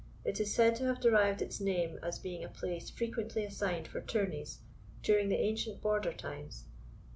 It is said to have derived its name as being a place frequently assigned for tourneys, during the ancient Border times.